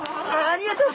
ありがとう。